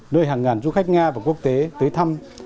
nơi hàng ngàn du khách nga và quốc tế tới thăm